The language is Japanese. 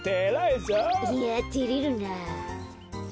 いやてれるなあ。